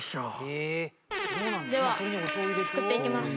では作っていきます。